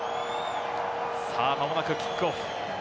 さあ、まもなくキックオフ。